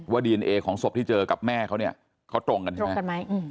ว่าดีเอนเอของศพที่เจอกับแม่เขาเนี่ยเขาตรงกันใช่ไหม